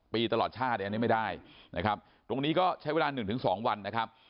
ปีตลอดชาติอันนี้ไม่ได้นะครับตรงนี้ก็ใช้เวลา๑๒วันนะครับ